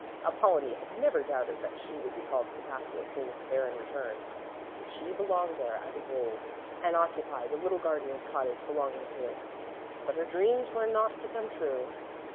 Apollonie had never doubted that she would be called to the castle as soon as the Baron returned, for she belonged there as of old and occupied the little gardener's cottage belonging to it. But her dreams were not to come true.